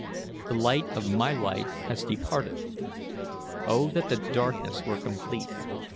The light of my life has departed. O that the darkness were complete!